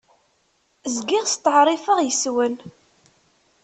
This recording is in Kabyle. Zgiɣ steɛṛifeɣ yes-wen.